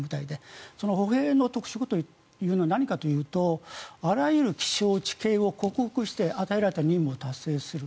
その歩兵の特色は何かというとあらゆる気象、地形を克服して与えられた任務を達成する。